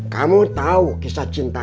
kamu tau kisah cinta